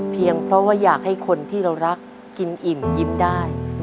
เพราะว่าอยากให้คนที่เรารักกินอิ่มยิ้มได้